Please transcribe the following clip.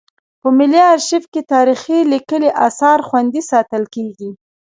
په ملي ارشیف کې تاریخي لیکلي اثار خوندي ساتل کیږي.